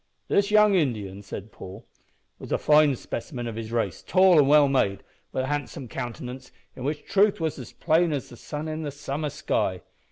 "This young Indian," said Paul, "was a fine specimen of his race, tall and well made, with a handsome countenance, in which truth was as plain as the sun in the summer sky.